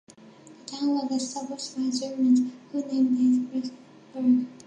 The town was established by Germans, who named it Rosenberg.